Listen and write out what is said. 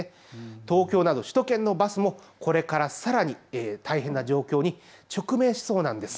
東京など首都圏のバスもこれからさらに大変な状況に直面しそうなんです。